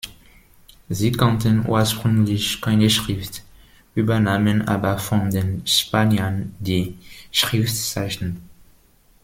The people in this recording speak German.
Sie kannten ursprünglich keine Schrift, übernahmen aber von den Spaniern die Schriftzeichen.